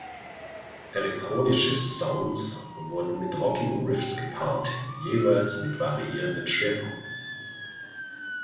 Elektronische Sounds wurden mit rockigen Riffs gepaart, jeweils mit variierenden Schwerpunkten.